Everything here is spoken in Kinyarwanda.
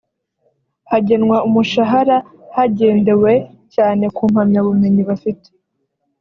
hagenwa umushahara hagendewe cyane ku mpamyabumenyi bafite